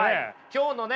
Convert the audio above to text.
今日のね